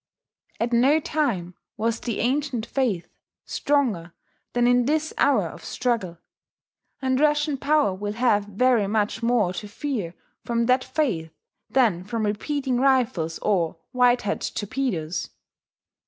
At no time was the ancient faith stronger than in this hour of struggle; and Russian power will have very much more to fear from that faith than from repeating rifles or Whitehead torpedoes.